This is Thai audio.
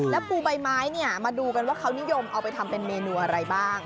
แล้วปูใบไม้เนี่ยมาดูกันว่าเขานิยมเอาไปทำเป็นเมนูอะไรบ้าง